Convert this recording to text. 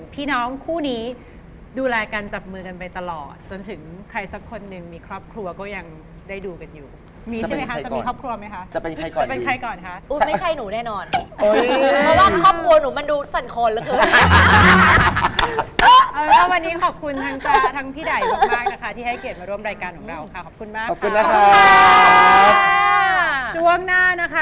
พี่ได่อาจารย์เป็นหนึ่งเนี่ยนะเขาดูลายเซ็นดีมาก